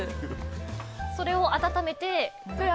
それを温めて。